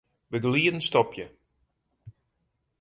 Begelieden stopje.